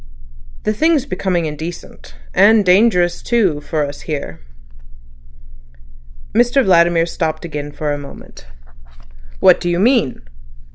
The thing's becoming indecent. And dangerous too, for us, here." Mr Vladimir stopped again for a moment. "What do you mean?"